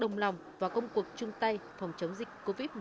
đồng lòng và công cuộc chung tay phòng chống dịch covid một mươi chín